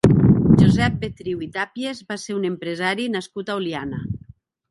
Josep Betriu i Tàpies va ser un empresari nascut a Oliana.